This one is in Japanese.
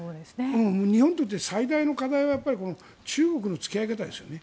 日本にとって最大の課題は中国との付き合い方ですよね。